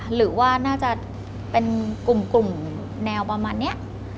หรือว่าน่าจะเป็นกลุ่มแนวประมาณนี้